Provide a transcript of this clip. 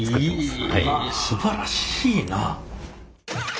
すばらしいな。